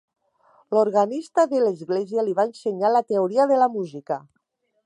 L'organista de l'església li va ensenyar la teoria de la música.